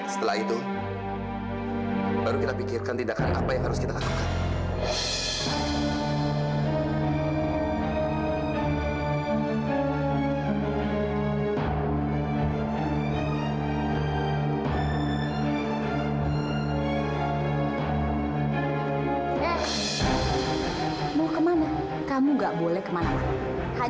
setelah itu baru kita pikirkan tindakan apa yang harus kita lakukan